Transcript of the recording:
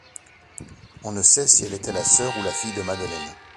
On ne sait si elle était la sœur ou la fille de Madeleine.